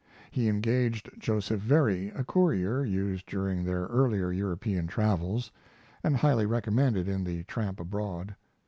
He engaged Joseph Very, a courier used during their earlier European travels, and highly recommended in the Tramp Abroad.